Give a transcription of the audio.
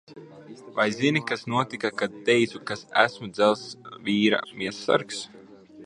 Vai zini, kas notika, kad teicu, kas esmu Dzelzs vīra miesassargs?